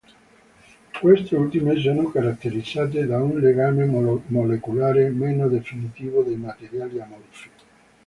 Queste ultime sono caratterizzate da un legame molecolare meno definito dei materiali amorfi.